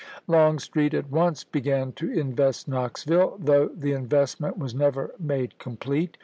Longstreet at once began to invest KjioxviUe, though the investment was never made complete.